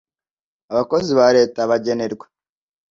abakozi ba Leta bagenerwa